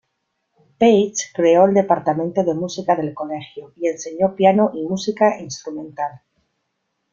Page creó el departamento de música del colegio y enseñó piano y música instrumental.